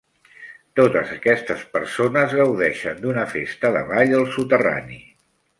Totes aquestes persones gaudeixen d'una festa de ball al soterrani.